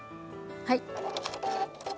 はい。